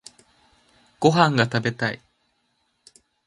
ご飯が食べたい